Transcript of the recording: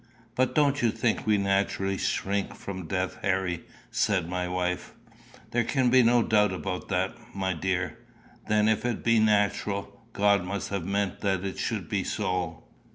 "But don't you think we naturally shrink from death, Harry?" said my wife. "There can be no doubt about that, my dear." "Then, if it be natural, God must have meant that it should be so."